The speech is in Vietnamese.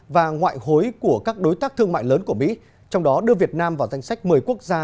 và ngoại hối của các đối tác thương mại lớn của mỹ trong đó đưa việt nam vào danh sách một mươi quốc gia